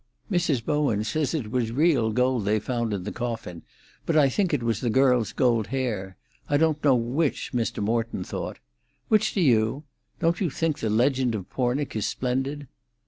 Mrs. Bowen says it was real gold they found in the coffin; but I think it was the girl's 'gold hair.' I don't know which Mr. Morton thought. Which do you? Don't you think the 'Legend of Pornic' is splendid?"